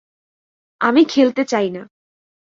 আমি খেলতে চাইনা।